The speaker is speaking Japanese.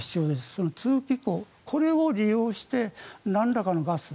その通気口、これを利用してなんらかのガス